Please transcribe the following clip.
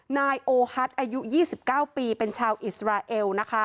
นายโอฮัทอายุ๒๙ปีเป็นชาวอิสราเอลนะคะ